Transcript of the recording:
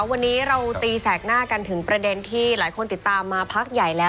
วันนี้เราตีแสกหน้ากันถึงประเด็นที่หลายคนติดตามมาพักใหญ่แล้ว